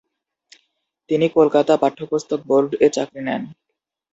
তিনি কলকাতা পাঠ্যপুস্তক বোর্ড এ চাকরি নেন।